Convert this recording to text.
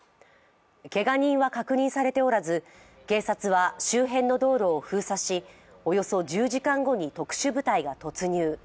けが人は確認されておらず、警察は周辺の道路を封鎖しおよそ１０時間後に特殊部隊が突入。